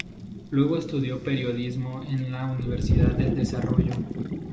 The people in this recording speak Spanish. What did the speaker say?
Luego estudió periodismo en la Universidad del Desarrollo.